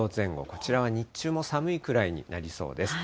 こちらは日中も寒いくらいになりそうです。